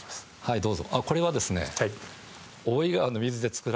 どうぞ。